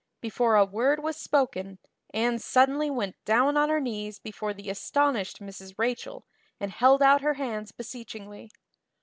Before a word was spoken Anne suddenly went down on her knees before the astonished Mrs. Rachel and held out her hands beseechingly.